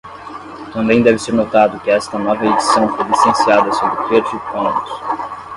Também deve ser notado que esta nova edição foi licenciada sob Creative Commons.